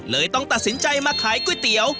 ต้องตัดสินใจมาขายก๋วยเตี๋ยว